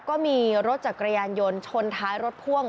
ก็มีรถจักรยานยนต์ชนท้ายรถพ่วง